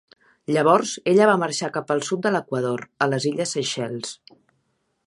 Llavors, ella va marxar cap al sud de l'equador, a les illes Seychelles.